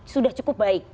sudah cukup baik